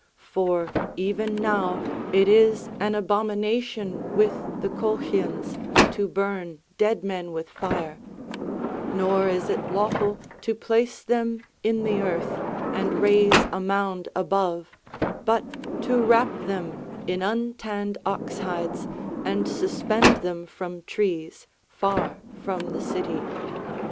For even now it is an abomination with the Colchians to burn dead men with fire; nor is it lawful to place them in the earth and raise a mound above, but to wrap them in untanned oxhides and suspend them from trees far from the city.